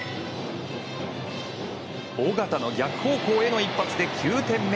尾形の逆方向への一発で９点目！